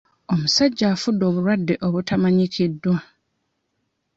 Omusajja afudde obulwadde obutamanyikiddwa.